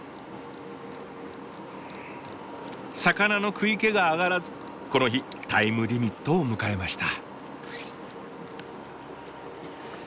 魚の食い気が上がらずこの日タイムリミットを迎えました。